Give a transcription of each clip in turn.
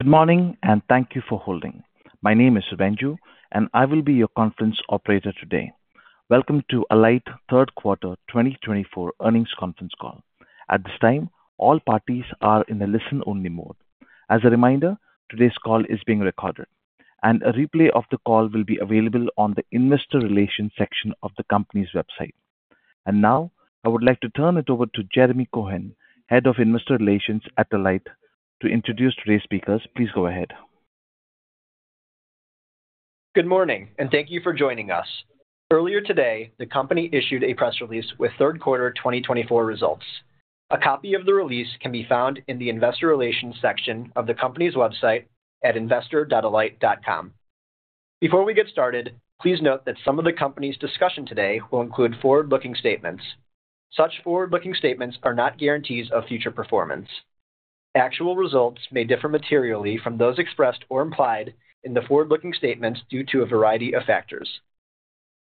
Good morning, and thank you for holding. My name is Subenju, and I will be your conference operator today. Welcome to Alight Q3 2024 earnings conference call. At this time, all parties are in the listen-only mode. As a reminder, today's call is being recorded, and a replay of the call will be available on the investor relations section of the company's website. And now, I would like to turn it over to Jeremy Cohen, Head of Investor Relations at Alight, to introduce today's speakers. Please go ahead. Good morning, and thank you for joining us. Earlier today, the company issued a press release with Q3 2024 results. A copy of the release can be found in the investor relations section of the company's website at investor.alight.com. Before we get started, please note that some of the company's discussion today will include forward-looking statements. Such forward-looking statements are not guarantees of future performance. Actual results may differ materially from those expressed or implied in the forward-looking statements due to a variety of factors.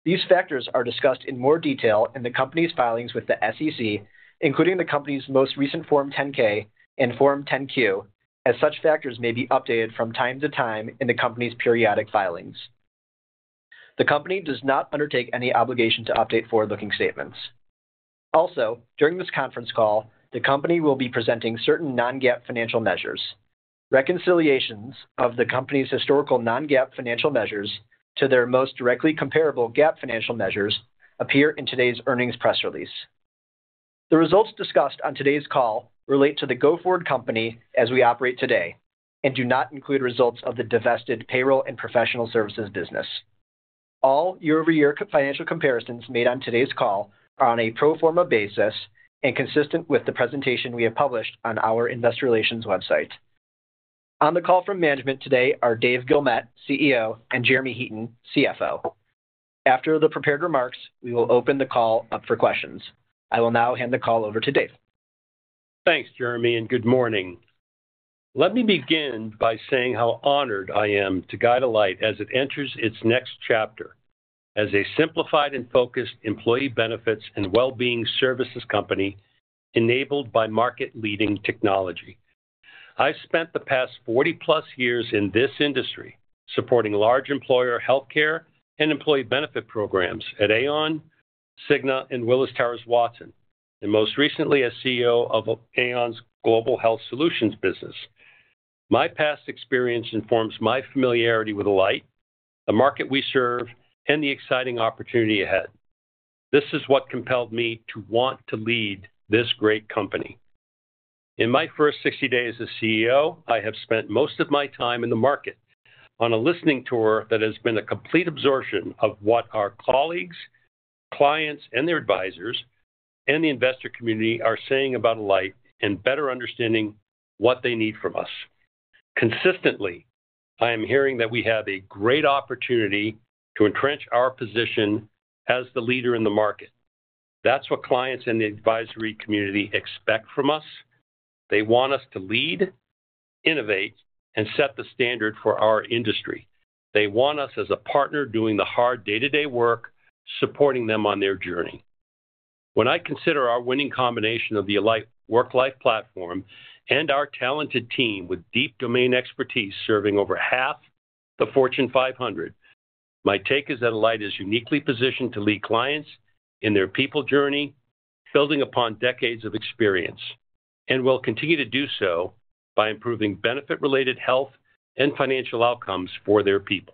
These factors are discussed in more detail in the company's filings with the SEC, including the company's most recent Form 10-K and Form 10-Q, as such factors may be updated from time to time in the company's periodic filings. The company does not undertake any obligation to update forward-looking statements. Also, during this conference call, the company will be presenting certain non-GAAP financial measures. Reconciliations of the company's historical non-GAAP financial measures to their most directly comparable GAAP financial measures appear in today's earnings press release. The results discussed on today's call relate to the go-forward company as we operate today and do not include results of the divested payroll and professional services business. All year-over-year financial comparisons made on today's call are on a pro forma basis and consistent with the presentation we have published on our investor relations website. On the call from management today are Dave Guilmette, CEO, and Jeremy Heaton, CFO. After the prepared remarks, we will open the call up for questions. I will now hand the call over to Dave. Thanks, Jeremy, and good morning. Let me begin by saying how honored I am to guide Alight as it enters its next chapter as a simplified and focused employee benefits and well-being services company enabled by market-leading technology. I've spent the past 40-plus years in this industry supporting large employer healthcare and employee benefit programs at Aon, Cigna, and Willis Towers Watson, and most recently as CEO of Aon's global health solutions business. My past experience informs my familiarity with Alight, the market we serve, and the exciting opportunity ahead. This is what compelled me to want to lead this great company. In my first 60 days as CEO, I have spent most of my time in the market on a listening tour that has been a complete absorption of what our colleagues, our clients, and their advisors and the investor community are saying about Alight and better understanding what they need from us. Consistently, I am hearing that we have a great opportunity to entrench our position as the leader in the market. That's what clients and the advisory community expect from us. They want us to lead, innovate, and set the standard for our industry. They want us as a partner doing the hard day-to-day work, supporting them on their journey. When I consider our winning combination of the Alight Worklife platform and our talented team with deep domain expertise serving over half the Fortune 500, my take is that Alight is uniquely positioned to lead clients in their people journey, building upon decades of experience, and will continue to do so by improving benefit-related health and financial outcomes for their people.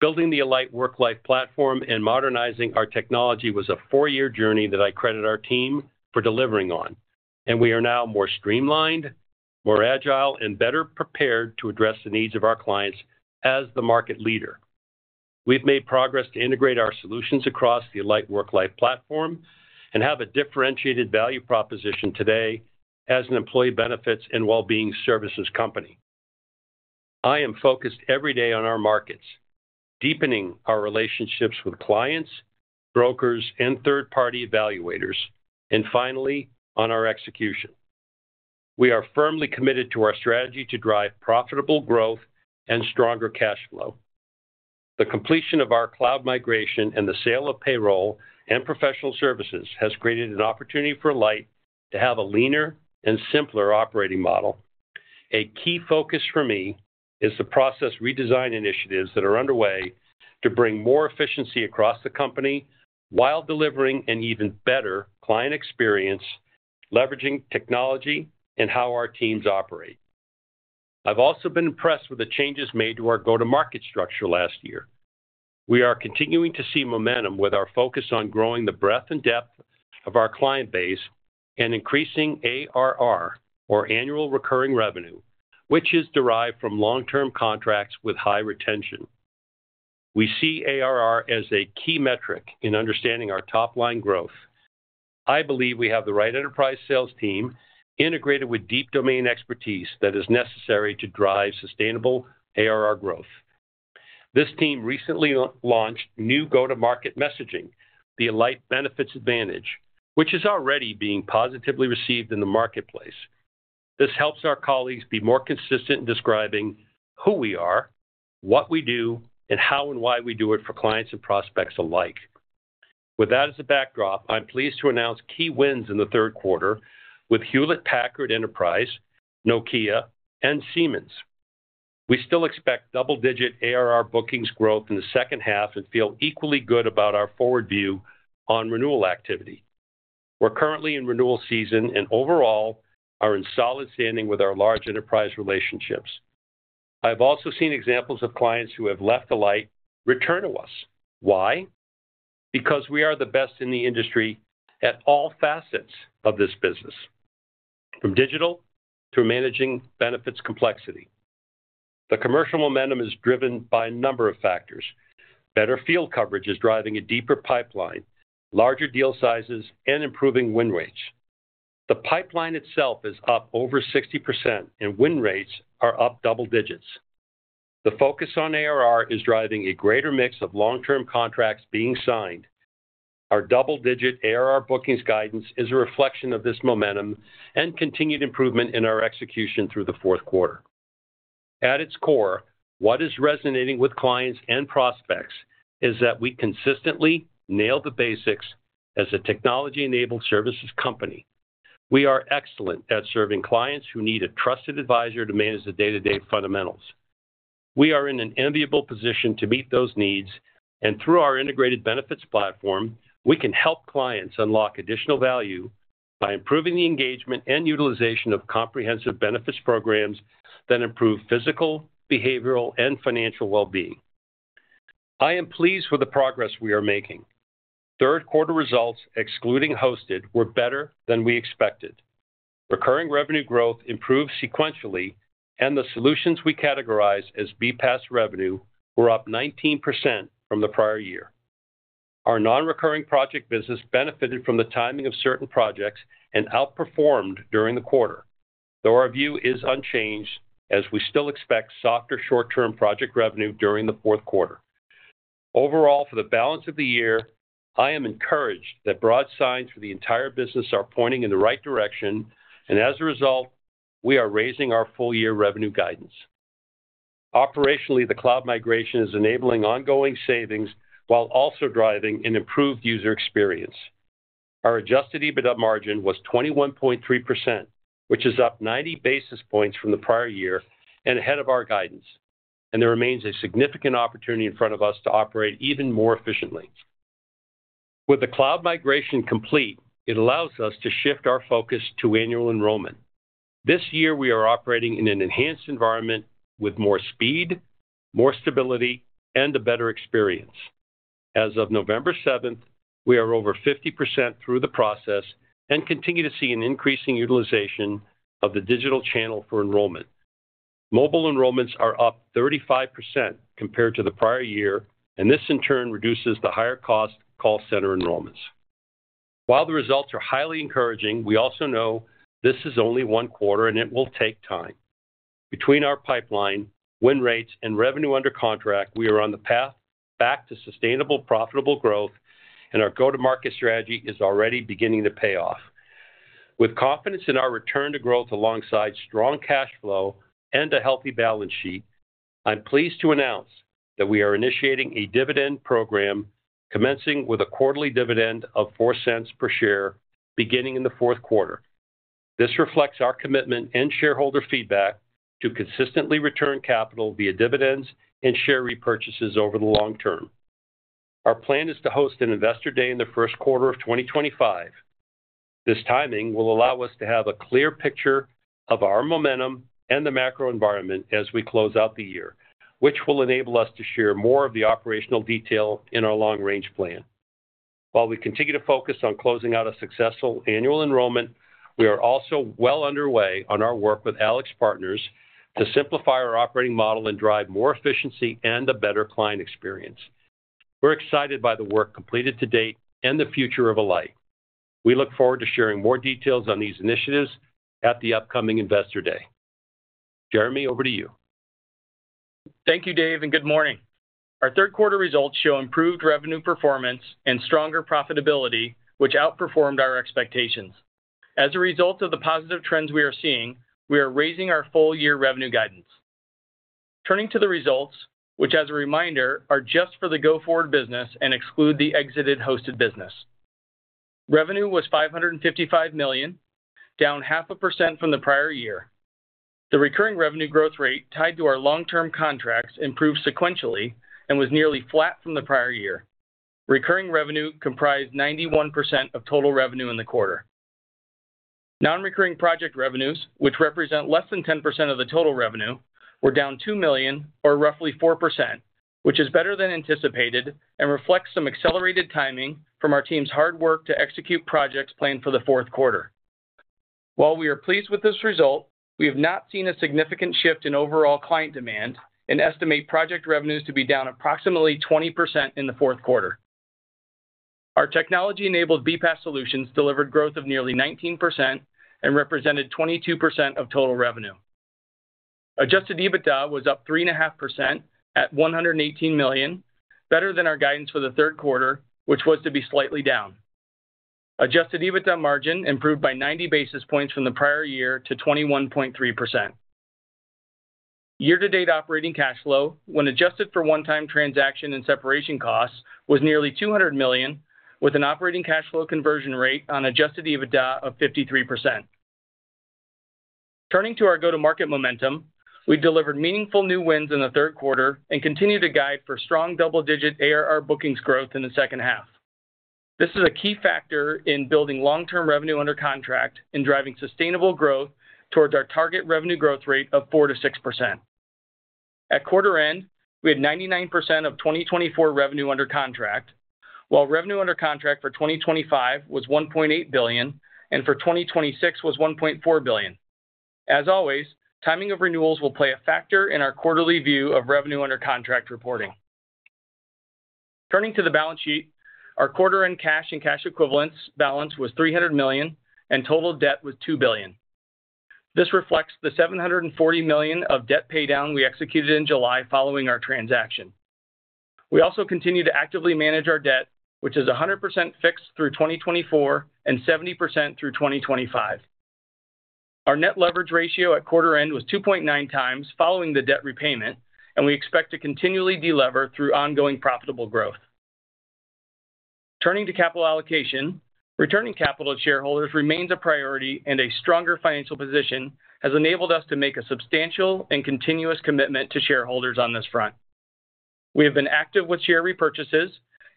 Building the Alight Worklife platform and modernizing our technology was a four-year journey that I credit our team for delivering on, and we are now more streamlined, more agile, and better prepared to address the needs of our clients as the market leader. We've made progress to integrate our solutions across the Alight Worklife platform and have a differentiated value proposition today as an employee benefits and well-being services company. I am focused every day on our markets, deepening our relationships with clients, brokers, and third-party evaluators, and finally, on our execution. We are firmly committed to our strategy to drive profitable growth and stronger cash flow. The completion of our cloud migration and the sale of payroll and professional services has created an opportunity for Alight to have a leaner and simpler operating model. A key focus for me is the process redesign initiatives that are underway to bring more efficiency across the company while delivering an even better client experience, leveraging technology and how our teams operate. I've also been impressed with the changes made to our go-to-market structure last year. We are continuing to see momentum with our focus on growing the breadth and depth of our client base and increasing ARR, or annual recurring revenue, which is derived from long-term contracts with high retention. We see ARR as a key metric in understanding our top-line growth. I believe we have the right enterprise sales team integrated with deep domain expertise that is necessary to drive sustainable ARR growth. This team recently launched new go-to-market messaging, the Alight Benefits Advantage, which is already being positively received in the marketplace. This helps our colleagues be more consistent in describing who we are, what we do, and how and why we do it for clients and prospects alike. With that as a backdrop, I'm pleased to announce key wins in the Q3 with Hewlett Packard Enterprise, Nokia, and Siemens. We still expect double-digit ARR bookings growth in the H2 and feel equally good about our forward view on renewal activity. We're currently in renewal season and overall are in solid standing with our large enterprise relationships. I've also seen examples of clients who have left Alight return to us. Why? Because we are the best in the industry at all facets of this business, from digital to managing benefits complexity. The commercial momentum is driven by a number of factors. Better field coverage is driving a deeper pipeline, larger deal sizes, and improving win rates. The pipeline itself is up over 60%, and win rates are up double digits. The focus on ARR is driving a greater mix of long-term contracts being signed. Our double-digit ARR bookings guidance is a reflection of this momentum and continued improvement in our execution through the Q4. At its core, what is resonating with clients and prospects is that we consistently nail the basics as a technology-enabled services company. We are excellent at serving clients who need a trusted advisor to manage the day-to-day fundamentals. We are in an enviable position to meet those needs, and through our integrated benefits platform, we can help clients unlock additional value by improving the engagement and utilization of comprehensive benefits programs that improve physical, behavioral, and financial well-being. I am pleased with the progress we are making. Third-quarter results, excluding hosted, were better than we expected. Recurring revenue growth improved sequentially, and the solutions we categorize as BPAS revenue were up 19% from the prior year. Our non-recurring project business benefited from the timing of certain projects and outperformed during the quarter. The review is unchanged as we still expect softer short-term project revenue during the Q4. Overall, for the balance of the year, I am encouraged that broad signs for the entire business are pointing in the right direction, and as a result, we are raising our full-year revenue guidance. Operationally, the cloud migration is enabling ongoing savings while also driving an improved user experience. Our Adjusted EBITDA margin was 21.3%, which is up 90 basis points from the prior year and ahead of our guidance, and there remains a significant opportunity in front of us to operate even more efficiently. With the cloud migration complete, it allows us to shift our focus to annual enrollment. This year, we are operating in an enhanced environment with more speed, more stability, and a better experience. As of November 7th, we are over 50% through the process and continue to see an increasing utilization of the digital channel for enrollment. Mobile enrollments are up 35% compared to the prior year, and this, in turn, reduces the higher-cost call center enrollments. While the results are highly encouraging, we also know this is only one quarter, and it will take time. Between our pipeline, win rates, and revenue under contract, we are on the path back to sustainable profitable growth, and our go-to-market strategy is already beginning to pay off. With confidence in our return to growth alongside strong cash flow and a healthy balance sheet, I'm pleased to announce that we are initiating a dividend program commencing with a quarterly dividend of $0.04 per share beginning in the Q4. This reflects our commitment and shareholder feedback to consistently return capital via dividends and share repurchases over the long term. Our plan is to host an investor day in the first quarter of 2025. This timing will allow us to have a clear picture of our momentum and the macro environment as we close out the year, which will enable us to share more of the operational detail in our long-range plan. While we continue to focus on closing out a successful annual enrollment, we are also well underway on our work with AlixPartners to simplify our operating model and drive more efficiency and a better client experience. We're excited by the work completed to date and the future of Alight. We look forward to sharing more details on these initiatives at the upcoming investor day. Jeremy, over to you. Thank you, Dave, and good morning. Our third-quarter results show improved revenue performance and stronger profitability, which outperformed our expectations. As a result of the positive trends we are seeing, we are raising our full-year revenue guidance. Turning to the results, which, as a reminder, are just for the go-forward business and exclude the exited hosted business. Revenue was $555 million, down 0.5% from the prior year. The recurring revenue growth rate tied to our long-term contracts improved sequentially and was nearly flat from the prior year. Recurring revenue comprised 91% of total revenue in the quarter. Non-recurring project revenues, which represent less than 10% of the total revenue, were down $2 million, or roughly 4%, which is better than anticipated and reflects some accelerated timing from our team's hard work to execute projects planned for the Q4. While we are pleased with this result, we have not seen a significant shift in overall client demand and estimate project revenues to be down approximately 20% in the Q4. Our technology-enabled BPAS solutions delivered growth of nearly 19% and represented 22% of total revenue. Adjusted EBITDA was up 3.5% at $118 million, better than our guidance for the Q3, which was to be slightly down. Adjusted EBITDA margin improved by 90 basis points from the prior year to 21.3%. Year-to-date operating cash flow, when adjusted for one-time transaction and separation costs, was nearly $200 million, with an operating cash flow conversion rate on adjusted EBITDA of 53%. Turning to our go-to-market momentum, we delivered meaningful new wins in the Q3 and continue to guide for strong double-digit ARR bookings growth in the H2. This is a key factor in building long-term revenue under contract and driving sustainable growth towards our target revenue growth rate of 4%-6%. At quarter end, we had 99% of 2024 revenue under contract, while revenue under contract for 2025 was $1.8 billion, and for 2026 was $1.4 billion. As always, timing of renewals will play a factor in our quarterly view of revenue under contract reporting. Turning to the balance sheet, our quarter-end cash and cash equivalents balance was $300 million, and total debt was $2 billion. This reflects the $740 million of debt paydown we executed in July following our transaction. We also continue to actively manage our debt, which is 100% fixed through 2024 and 70% through 2025. Our net leverage ratio at quarter end was 2.9 times following the debt repayment, and we expect to continually delever through ongoing profitable growth. Turning to capital allocation, returning capital to shareholders remains a priority, and a stronger financial position has enabled us to make a substantial and continuous commitment to shareholders on this front. We have been active with share repurchases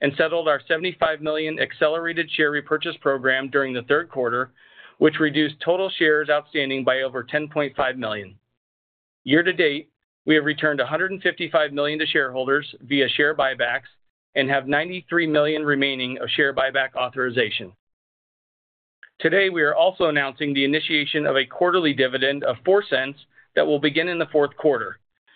and settled our $75 million accelerated share repurchase program during the Q3, which reduced total shares outstanding by over 10.5 million. Year-to-date, we have returned $155 million to shareholders via share buybacks and have $93 million remaining of share buyback authorization. Today, we are also announcing the initiation of a quarterly dividend of $0.04 that will begin in the Q4,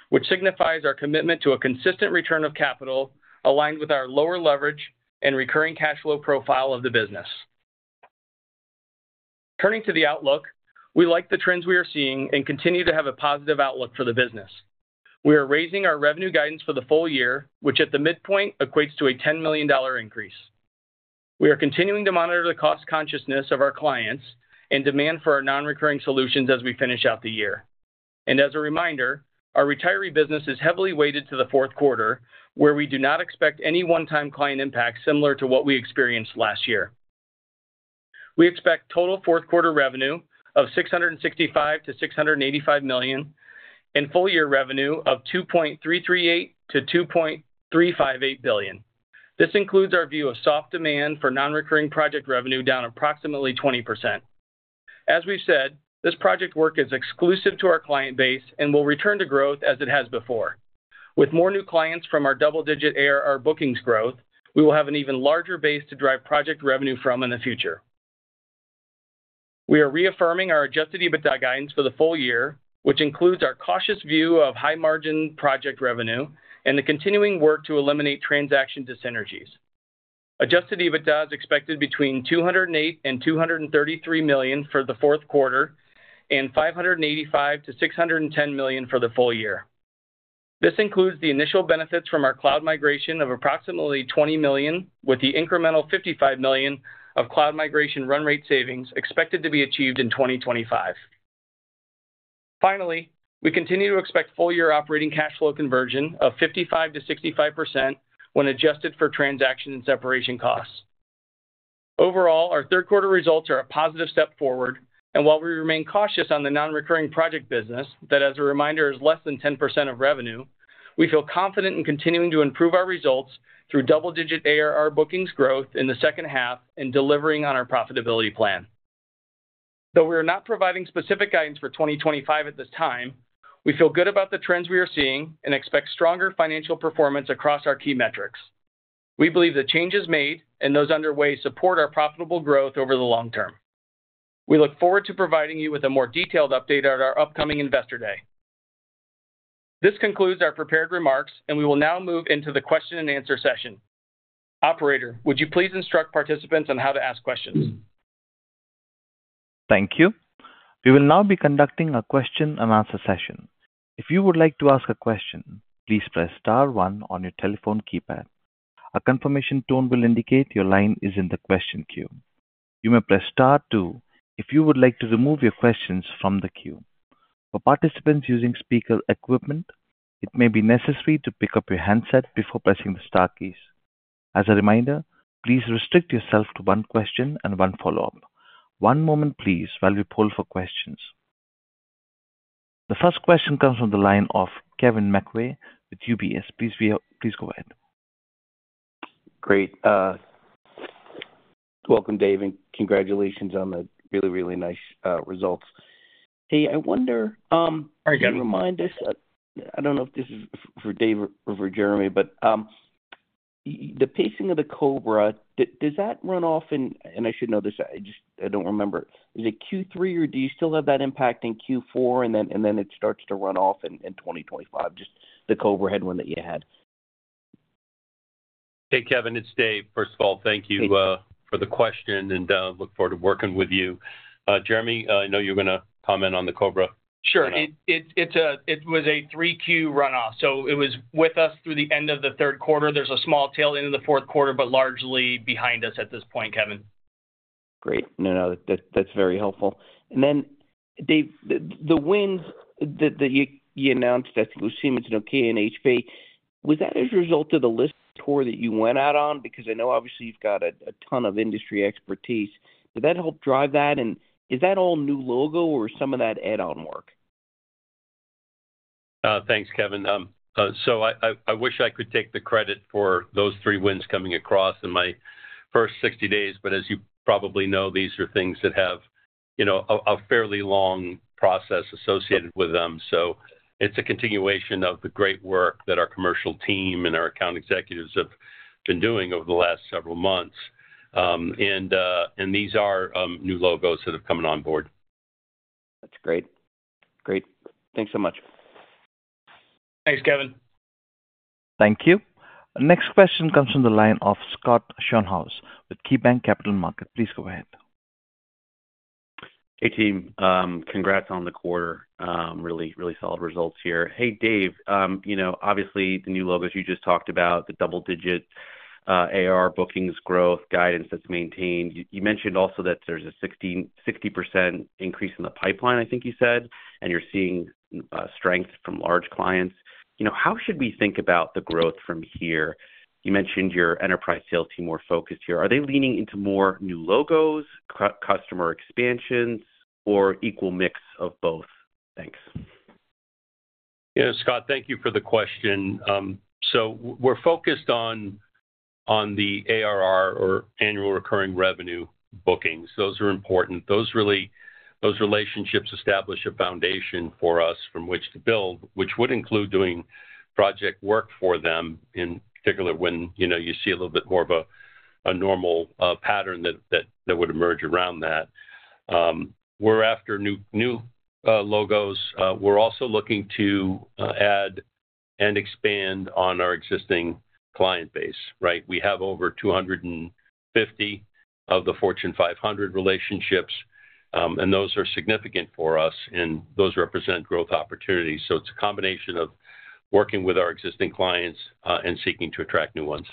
which signifies our commitment to a consistent return of capital aligned with our lower leverage and recurring cash flow profile of the business. Turning to the outlook, we like the trends we are seeing and continue to have a positive outlook for the business. We are raising our revenue guidance for the full year, which at the midpoint equates to a $10 million increase. We are continuing to monitor the cost consciousness of our clients and demand for our non-recurring solutions as we finish out the year, and as a reminder, our retiree business is heavily weighted to the Q4, where we do not expect any one-time client impact similar to what we experienced last year. We expect total fourth-quarter revenue of $665 million-$685 million and full-year revenue of $2.338 billion-$2.358 billion. This includes our view of soft demand for non-recurring project revenue down approximately 20%. As we've said, this project work is exclusive to our client base and will return to growth as it has before. With more new clients from our double-digit ARR bookings growth, we will have an even larger base to drive project revenue from in the future. We are reaffirming our Adjusted EBITDA guidance for the full year, which includes our cautious view of high-margin project revenue and the continuing work to eliminate transaction dysynergies. Adjusted EBITDA is expected between $208 million and $233 million for the Q4 and $585 million-$610 million for the full year. This includes the initial benefits from our cloud migration of approximately $20 million, with the incremental $55 million of cloud migration run rate savings expected to be achieved in 2025. Finally, we continue to expect full-year operating cash flow conversion of 55%-65% when adjusted for transaction and separation costs. Overall, our third-quarter results are a positive step forward, and while we remain cautious on the non-recurring project business that, as a reminder, is less than 10% of revenue, we feel confident in continuing to improve our results through double-digit ARR bookings growth in the H2 and delivering on our profitability plan. Though we are not providing specific guidance for 2025 at this time, we feel good about the trends we are seeing and expect stronger financial performance across our key metrics. We believe the changes made and those underway support our profitable growth over the long term. We look forward to providing you with a more detailed update at our upcoming investor day. This concludes our prepared remarks, and we will now move into the question-and-answer session. Operator, would you please instruct participants on how to ask questions? Thank you. We will now be conducting a question-and-answer session. If you would like to ask a question, please press star one on your telephone keypad. A confirmation tone will indicate your line is in the question queue. You may press star two if you would like to remove your questions from the queue. For participants using speaker equipment, it may be necessary to pick up your handset before pressing the star keys. As a reminder, please restrict yourself to one question and one follow-up. One moment, please, while we poll for questions. The first question comes from the line of Kevin McVeigh with UBS. Please go ahead. Great. Welcome, Dave, and congratulations on the really, really nice results. Hey, I wonder. Oh, you got it. Can you remind us? I don't know if this is for Dave or for Jeremy, but the pacing of the COBRA, does that run off in, and I should know this, I just don't remember, is it Q3, or do you still have that impact in Q4, and then it starts to run off in 2025, just the COBRA headwind that you had? Hey, Kevin, it's Dave. First of all, thank you for the question, and look forward to working with you. Jeremy, I know you're going to comment on the COBRA. Sure. It was a Q3 run-off, so it was with us through the end of the Q3. There's a small tail end of the Q4, but largely behind us at this point, Kevin. Great. No, no, that's very helpful. And then, Dave, the wins that you announced at Siemens and Nokia and HP, was that as a result of the list tour that you went out on? Because I know, obviously, you've got a ton of industry expertise. Did that help drive that? And is that all new logo, or is some of that add-on work? Thanks, Kevin. So I wish I could take the credit for those three wins coming across in my first 60 days, but as you probably know, these are things that have a fairly long process associated with them. So it's a continuation of the great work that our commercial team and our account executives have been doing over the last several months. And these are new logos that have come on board. That's great. Great. Thanks so much. Thanks, Kevin. Thank you. Next question comes from the line of Scott Schoenhaus with KeyBanc Capital Markets. Please go ahead. Hey, team. Congrats on the quarter. Really, really solid results here. Hey, Dave, obviously, the new logos you just talked about, the double-digit ARR bookings growth guidance that's maintained. You mentioned also that there's a 60% increase in the pipeline, I think you said, and you're seeing strength from large clients. How should we think about the growth from here? You mentioned your enterprise sales team more focused here. Are they leaning into more new logos, customer expansions, or equal mix of both? Thanks. Yeah, Scott, thank you for the question. So we're focused on the ARR, or annual recurring revenue bookings. Those are important. Those relationships establish a foundation for us from which to build, which would include doing project work for them, in particular when you see a little bit more of a normal pattern that would emerge around that. We're after new logos. We're also looking to add and expand on our existing client base. We have over 250 of the Fortune 500 relationships, and those are significant for us, and those represent growth opportunities. So it's a combination of working with our existing clients and seeking to attract new ones.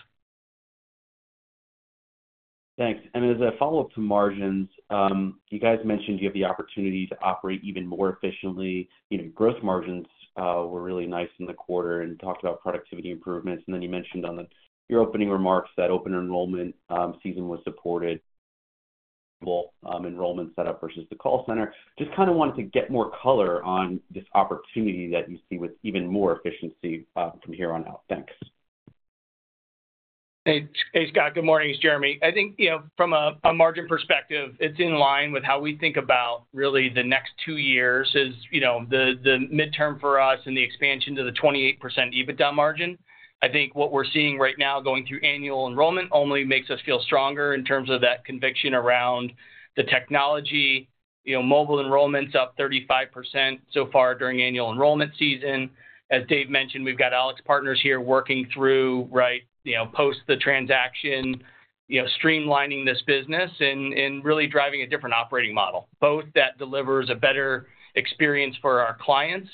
Thanks. And as a follow-up to margins, you guys mentioned you have the opportunity to operate even more efficiently. Growth margins were really nice in the quarter and talked about productivity improvements. And then you mentioned on your opening remarks that open enrollment season was supported, enrollment setup versus the call center. Just kind of wanted to get more color on this opportunity that you see with even more efficiency from here on out. Thanks. Hey, Scott. Good morning. It's Jeremy. I think from a margin perspective, it's in line with how we think about really the next two years as the midterm for us and the expansion to the 28% EBITDA margin. I think what we're seeing right now going through annual enrollment only makes us feel stronger in terms of that conviction around the technology. Mobile enrollment's up 35% so far during annual enrollment season. As Dave mentioned, we've got AlixPartners here working through post the transaction, streamlining this business and really driving a different operating model, both that delivers a better experience for our clients,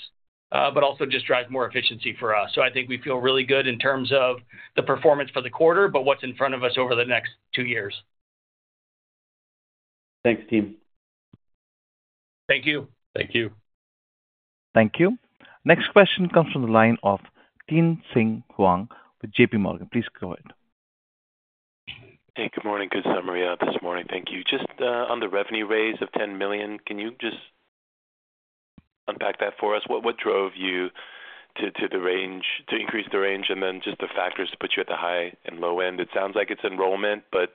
but also just drives more efficiency for us. So I think we feel really good in terms of the performance for the quarter, but what's in front of us over the next two years. Thanks, team. Thank you. Thank you. Thank you. Next question comes from the line of Tien-tsin Huang with JPMorgan. Please go ahead. Hey, good morning. Good summary this morning. Thank you. Just on the revenue raise of $10 million, can you just unpack that for us? What drove you to increase the range and then just the factors to put you at the high and low end? It sounds like it's enrollment, but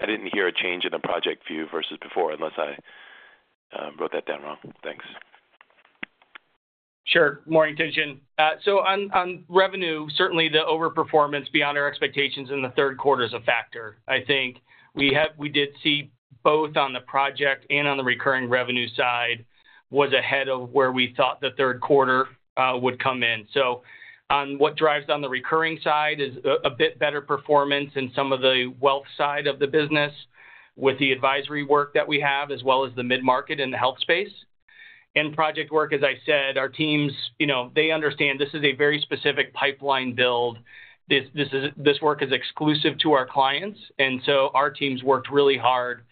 I didn't hear a change in the project view versus before unless I wrote that down wrong. Thanks. Sure. Morning, Tien-tsin. So on revenue, certainly the overperformance beyond our expectations in the Q3 is a factor. I think we did see both on the project and on the recurring revenue side was ahead of where we thought the Q3 would come in. So on what drives on the recurring side is a bit better performance in some of the wealth side of the business with the advisory work that we have, as well as the mid-market and the health space and project work. As I said, our teams, they understand this is a very specific pipeline build. This work is exclusive to our clients. And so our teams worked really hard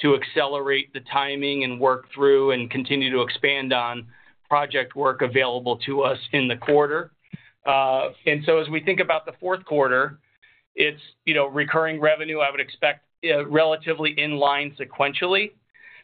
to accelerate the timing and work through and continue to expand on project work available to us in the quarter. And so as we think about the Q4, it's recurring revenue. I would expect relatively in line sequentially.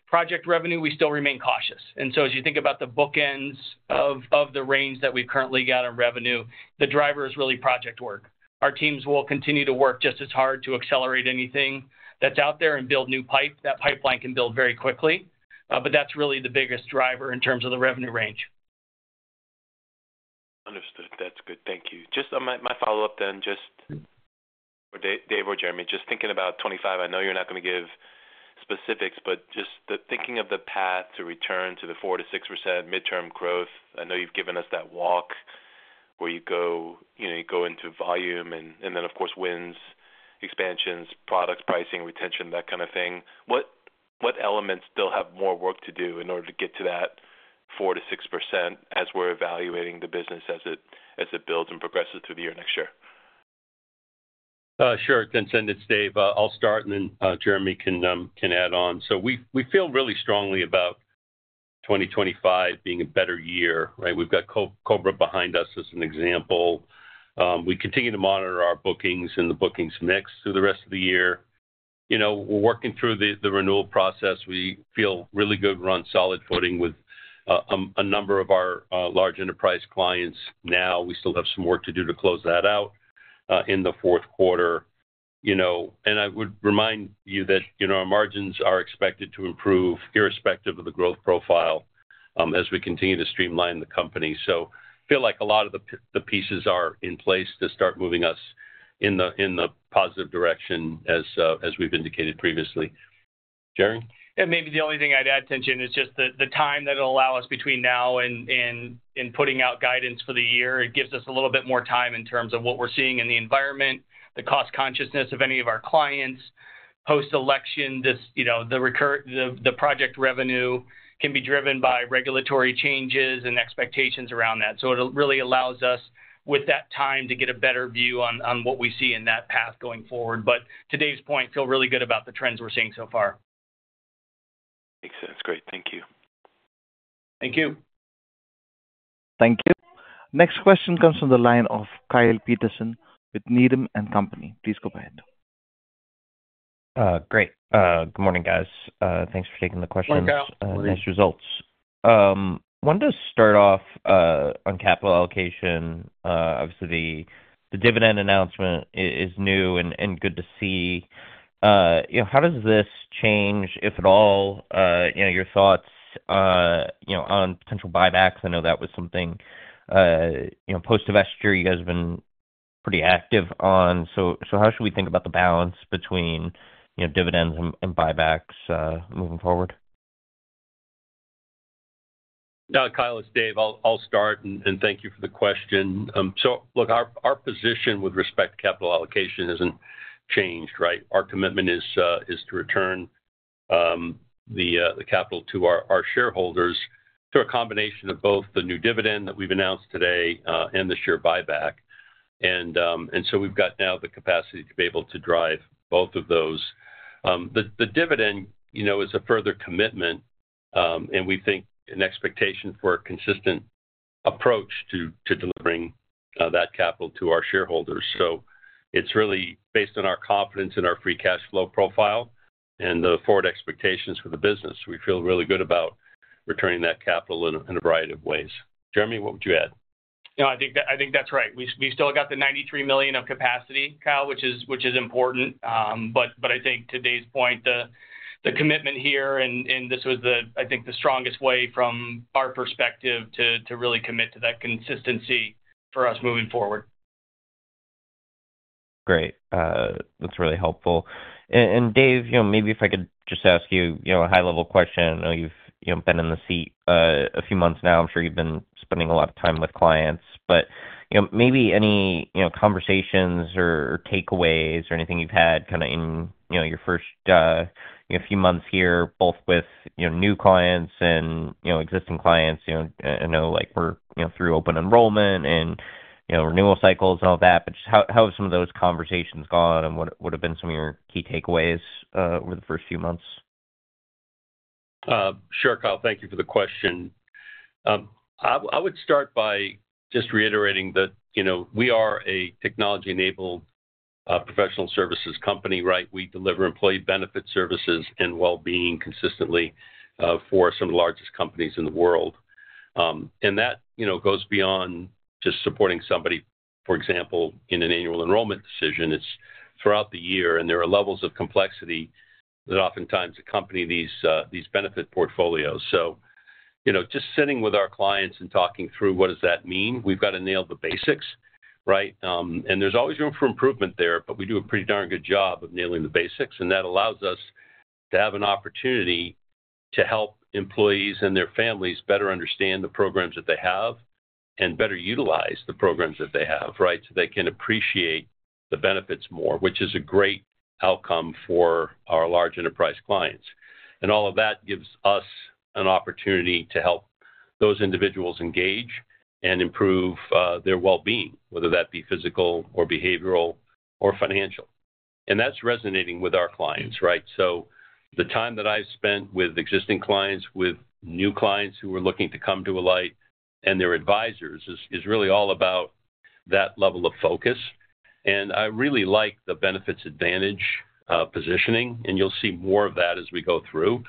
Project revenue, we still remain cautious. And so as you think about the bookends of the range that we've currently got on revenue, the driver is really project work. Our teams will continue to work just as hard to accelerate anything that's out there and build new pipe. That pipeline can build very quickly, but that's really the biggest driver in terms of the revenue range. Understood. That's good. Thank you. Just my follow-up then, just for Dave or Jeremy, just thinking about 2025, I know you're not going to give specifics, but just thinking of the path to return to the 4%-6% midterm growth, I know you've given us that walk where you go into volume and then, of course, wins, expansions, product pricing, retention, that kind of thing. What elements still have more work to do in order to get to that 4%-6% as we're evaluating the business as it builds and progresses through the year next year? Sure. Tien-Tsin it's, Dave. I'll start, and then Jeremy can add on. So we feel really strongly about 2025 being a better year. We've got COBRA behind us as an example. We continue to monitor our bookings and the bookings mix through the rest of the year. We're working through the renewal process. We feel really good on solid footing with a number of our large enterprise clients now. We still have some work to do to close that out in the Q4. And I would remind you that our margins are expected to improve irrespective of the growth profile as we continue to streamline the company. So I feel like a lot of the pieces are in place to start moving us in the positive direction as we've indicated previously. Jeremy? Yeah. Maybe the only thing I'd add, Tien-tsin, is just the time that it'll allow us between now and putting out guidance for the year. It gives us a little bit more time in terms of what we're seeing in the environment, the cost consciousness of any of our clients post-election. The project revenue can be driven by regulatory changes and expectations around that. So it really allows us, with that time, to get a better view on what we see in that path going forward. But to Dave's point, feel really good about the trends we're seeing so far. Makes sense. Great. Thank you. Thank you. Thank you. Next question comes from the line of Kyle Peterson with Needham & Company. Please go ahead. Great. Good morning, guys. Thanks for taking the questions. Morning, Kyle. Nice results. I wanted to start off on capital allocation. Obviously, the dividend announcement is new and good to see. How does this change, if at all, your thoughts on potential buybacks? I know that was something post-IPO you guys have been pretty active on. So how should we think about the balance between dividends and buybacks moving forward? Kyle, it's Dave. I'll start, and thank you for the question. So look, our position with respect to capital allocation hasn't changed. Our commitment is to return the capital to our shareholders through a combination of both the new dividend that we've announced today and the share buyback. And so we've got now the capacity to be able to drive both of those. The dividend is a further commitment, and we think an expectation for a consistent approach to delivering that capital to our shareholders. So it's really based on our confidence in our free cash flow profile and the forward expectations for the business. We feel really good about returning that capital in a variety of ways. Jeremy, what would you add? I think that's right. We still got the $93 million of capacity, Kyle, which is important. But I think to Dave's point, the commitment here, and this was, I think, the strongest way from our perspective to really commit to that consistency for us moving forward. Great. That's really helpful. And Dave, maybe if I could just ask you a high-level question. I know you've been in the seat a few months now. I'm sure you've been spending a lot of time with clients. But maybe any conversations or takeaways or anything you've had kind of in your first few months here, both with new clients and existing clients? I know we're through open enrollment and renewal cycles and all that. But just how have some of those conversations gone, and what have been some of your key takeaways over the first few months? Sure, Kyle. Thank you for the question. I would start by just reiterating that we are a technology-enabled professional services company. We deliver employee benefit services and well-being consistently for some of the largest companies in the world. And that goes beyond just supporting somebody, for example, in an annual enrollment decision. It's throughout the year, and there are levels of complexity that oftentimes accompany these benefit portfolios. So just sitting with our clients and talking through what does that mean, we've got to nail the basics. And there's always room for improvement there, but we do a pretty darn good job of nailing the basics. And that allows us to have an opportunity to help employees and their families better understand the programs that they have and better utilize the programs that they have so they can appreciate the benefits more, which is a great outcome for our large enterprise clients. And all of that gives us an opportunity to help those individuals engage and improve their well-being, whether that be physical or behavioral or financial. And that's resonating with our clients. So the time that I've spent with existing clients, with new clients who are looking to come to Alight, and their advisors is really all about that level of focus. And I really like the benefits advantage positioning, and you'll see more of that as we go through.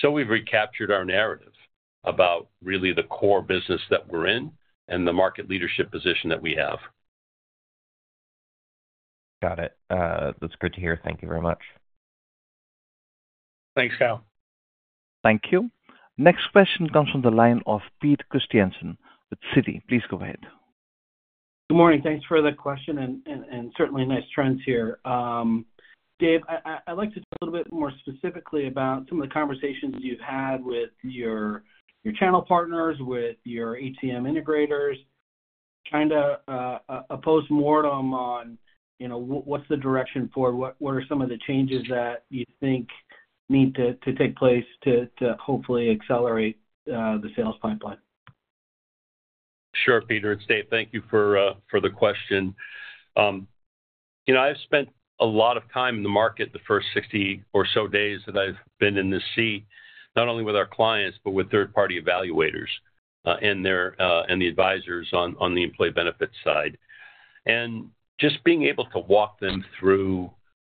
So we've recaptured our narrative about really the core business that we're in and the market leadership position that we have. Got it. That's good to hear. Thank you very much. Thanks, Kyle. Thank you. Next question comes from the line of Peter Christiansen with Citi. Please go ahead. Good morning. Thanks for the question and certainly nice trends here. Dave, I'd like to talk a little bit more specifically about some of the conversations you've had with your channel partners, with your ATM integrators, kind of a post-mortem on what's the direction forward? What are some of the changes that you think need to take place to hopefully accelerate the sales pipeline? Sure, Peter. It's Dave. Thank you for the question. I've spent a lot of time in the market the first 60 or so days that I've been in the seat, not only with our clients, but with third-party evaluators and the advisors on the employee benefits side. And just being able to walk them through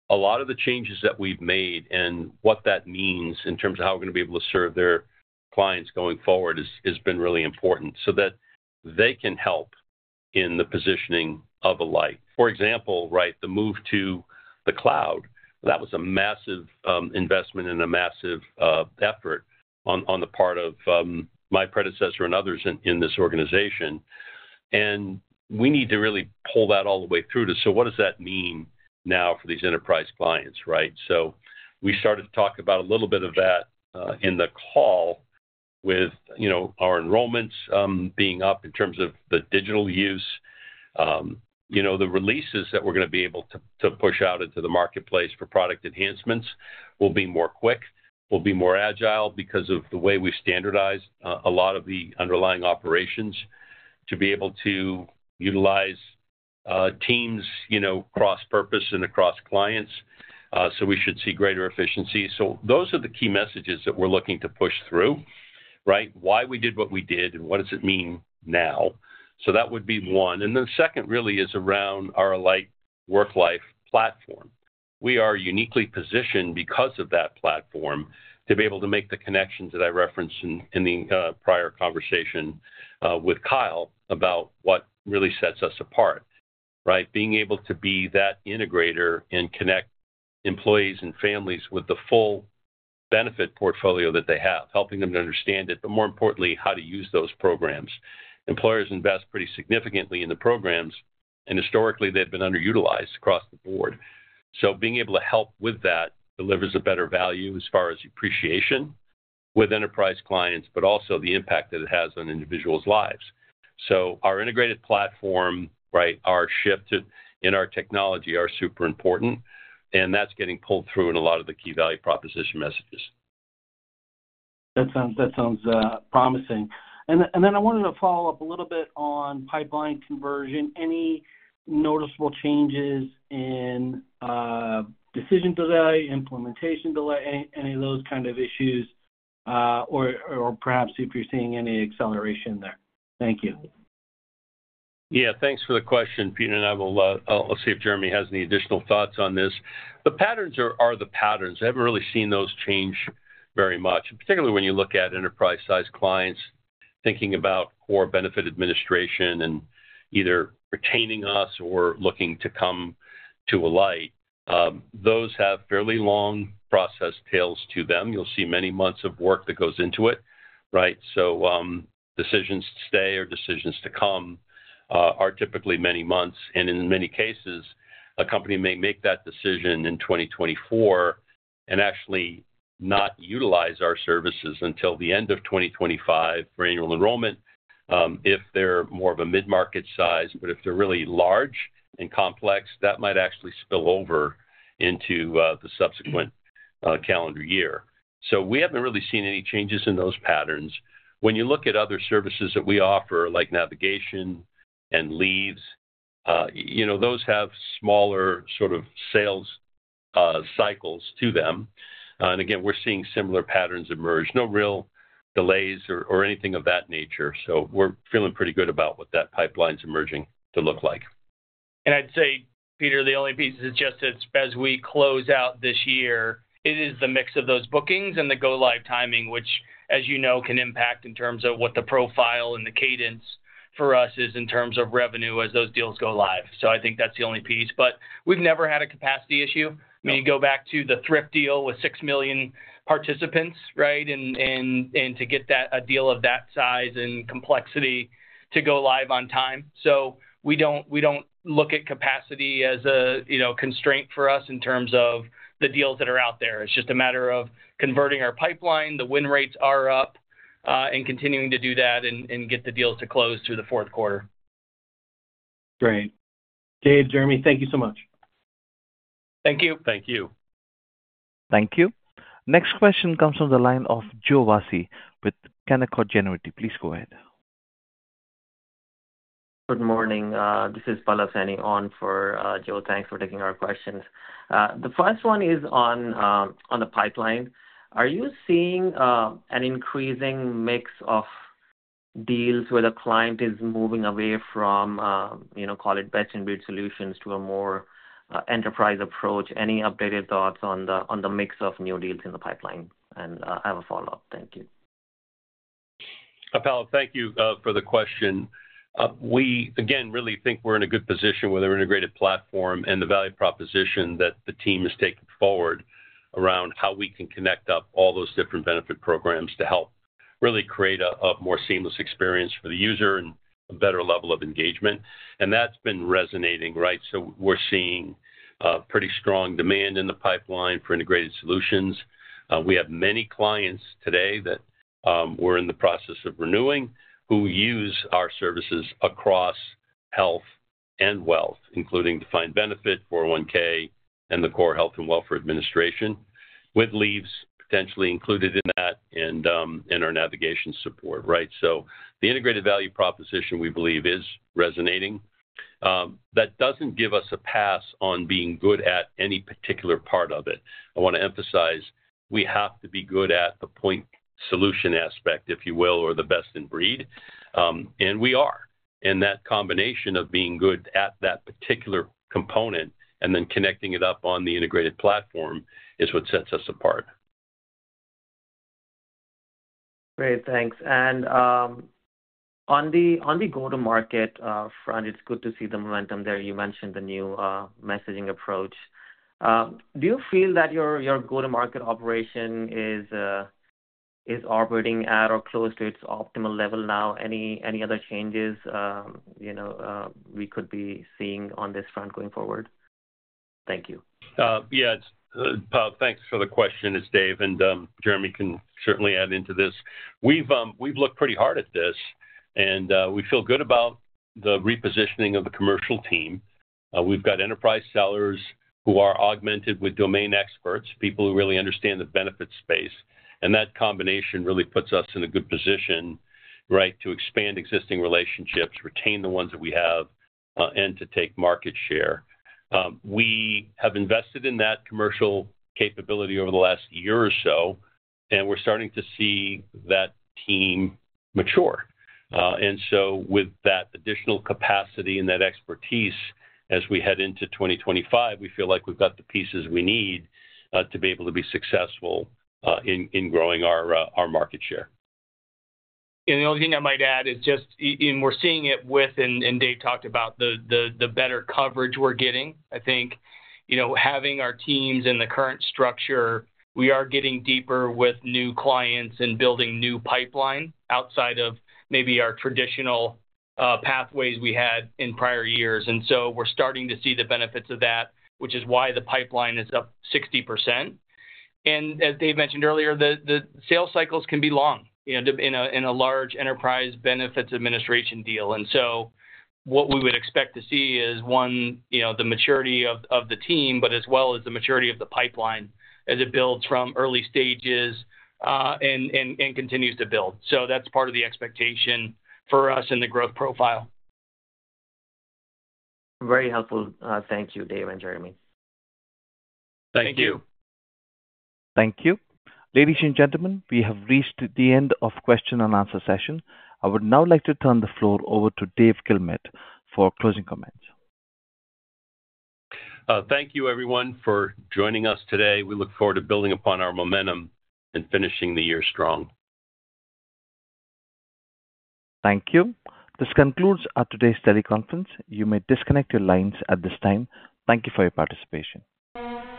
a lot of the changes that we've made and what that means in terms of how we're going to be able to serve their clients going forward has been really important so that they can help in the positioning of Alight. For example, the move to the cloud, that was a massive investment and a massive effort on the part of my predecessor and others in this organization. And we need to really pull that all the way through to, so what does that mean now for these enterprise clients? We started to talk about a little bit of that in the call with our enrollments being up in terms of the digital use. The releases that we're going to be able to push out into the marketplace for product enhancements will be more quick, will be more agile because of the way we've standardized a lot of the underlying operations to be able to utilize teams cross-purpose and across clients. So we should see greater efficiency. Those are the key messages that we're looking to push through, why we did what we did, and what does it mean now? That would be one. Then second really is around our Alight Worklife platform. We are uniquely positioned because of that platform to be able to make the connections that I referenced in the prior conversation with Kyle about what really sets us apart. Being able to be that integrator and connect employees and families with the full benefit portfolio that they have, helping them to understand it, but more importantly, how to use those programs. Employers invest pretty significantly in the programs, and historically, they've been underutilized across the board. So being able to help with that delivers a better value as far as appreciation with enterprise clients, but also the impact that it has on individuals' lives. So our integrated platform, our shift in our technology are super important, and that's getting pulled through in a lot of the key value proposition messages. That sounds promising. And then I wanted to follow up a little bit on pipeline conversion. Any noticeable changes in decision delay, implementation delay, any of those kind of issues, or perhaps if you're seeing any acceleration there? Thank you. Yeah. Thanks for the question, Peter, and I'll see if Jeremy has any additional thoughts on this. The patterns are the patterns. I haven't really seen those change very much, particularly when you look at enterprise-sized clients thinking about core benefit administration and either retaining us or looking to come to Alight. Those have fairly long process tails to them. You'll see many months of work that goes into it, so decisions to stay or decisions to come are typically many months, and in many cases, a company may make that decision in 2024 and actually not utilize our services until the end of 2025 for annual enrollment if they're more of a mid-market size. But if they're really large and complex, that might actually spill over into the subsequent calendar year, so we haven't really seen any changes in those patterns. When you look at other services that we offer, like navigation and leaves, those have smaller sort of sales cycles to them. And again, we're seeing similar patterns emerge. No real delays or anything of that nature. So we're feeling pretty good about what that pipeline's emerging to look like. I'd say, Peter, the only piece is just that as we close out this year, it is the mix of those bookings and the go-live timing, which, as you know, can impact in terms of what the profile and the cadence for us is in terms of revenue as those deals go live. So I think that's the only piece. But we've never had a capacity issue. I mean, you go back to the Thrift deal with six million participants and to get a deal of that size and complexity to go live on time. So we don't look at capacity as a constraint for us in terms of the deals that are out there. It's just a matter of converting our pipeline. The win rates are up, and continuing to do that and get the deals to close through the Q4. Great. Dave, Jeremy, thank you so much. Thank you. Thank you. Thank you. Next question comes from the line of Joe Vafi with Canaccord Genuity. Please go ahead. Good morning. This is Palash Moolani, on for Joe. Thanks for taking our questions. The first one is on the pipeline. Are you seeing an increasing mix of deals where the client is moving away from, call it, best-in-breed solutions to a more enterprise approach? Any updated thoughts on the mix of new deals in the pipeline? And I have a follow-up. Thank you. Palash, thank you for the question. We, again, really think we're in a good position with our integrated platform and the value proposition that the team has taken forward around how we can connect up all those different benefit programs to help really create a more seamless experience for the user and a better level of engagement. And that's been resonating. So we're seeing pretty strong demand in the pipeline for integrated solutions. We have many clients today that we're in the process of renewing who use our services across health and wealth, including defined benefit, 401(k), and the core health and welfare administration, with leaves potentially included in that and our navigation support. So the integrated value proposition, we believe, is resonating. That doesn't give us a pass on being good at any particular part of it. I want to emphasize we have to be good at the point solution aspect, if you will, or the best-in-breed. And we are. And that combination of being good at that particular component and then connecting it up on the integrated platform is what sets us apart. Great. Thanks. And on the go-to-market front, it's good to see the momentum there. You mentioned the new messaging approach. Do you feel that your go-to-market operation is operating at or close to its optimal level now? Any other changes we could be seeing on this front going forward? Thank you. Yeah. Palash, thanks for the question. It's Dave, and Jeremy can certainly add into this. We've looked pretty hard at this, and we feel good about the repositioning of the commercial team. We've got enterprise sellers who are augmented with domain experts, people who really understand the benefit space, and that combination really puts us in a good position to expand existing relationships, retain the ones that we have, and to take market share. We have invested in that commercial capability over the last year or so, and we're starting to see that team mature, and so with that additional capacity and that expertise, as we head into 2025, we feel like we've got the pieces we need to be able to be successful in growing our market share. And the only thing I might add is just we're seeing it with, and Dave talked about the better coverage we're getting. I think having our teams in the current structure, we are getting deeper with new clients and building new pipeline outside of maybe our traditional pathways we had in prior years. And so we're starting to see the benefits of that, which is why the pipeline is up 60%. And as Dave mentioned earlier, the sales cycles can be long in a large enterprise benefits administration deal. And so what we would expect to see is, one, the maturity of the team, but as well as the maturity of the pipeline as it builds from early stages and continues to build. So that's part of the expectation for us and the growth profile. Very helpful. Thank you, Dave and Jeremy. Thank you. Thank you. Thank you. Ladies and gentlemen, we have reached the end of the question and answer session. I would now like to turn the floor over to Dave Guilmette for closing comments. Thank you, everyone, for joining us today. We look forward to building upon our momentum and finishing the year strong. Thank you. This concludes today's teleconference. You may disconnect your lines at this time. Thank you for your participation.